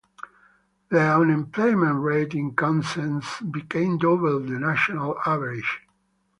The unemployment rate in Consett became double the national average.